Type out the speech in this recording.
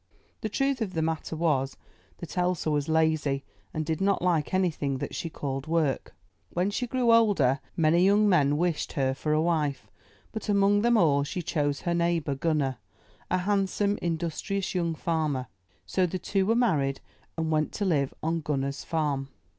The truth of the matter was, that Elsa was lazy and did not like anything that she called work. When she grew older, many young men wished her for a wife, but among them all she chose her neighbour. Gunner, a handsome, industrious young farmer. So the two were married, and went to live on Gunner's farm.